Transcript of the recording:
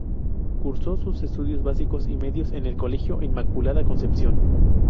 Cursó sus estudios básicos y medios en el colegio Inmaculada Concepción.